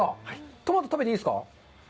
トマト食べていいですか？